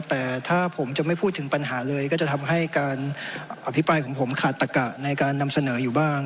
แต่ถ้าผมจะไม่พูดถึงปัญหาเลยก็จะทำให้การอภิปรายของผมขาดตะกะในการนำเสนออยู่บ้าง